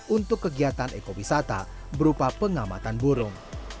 untuk kegiatan ekowisata berupa pengamatan burung